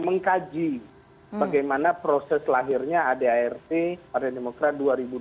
mengkaji bagaimana proses lahirnya adart partai demokrat dua ribu dua puluh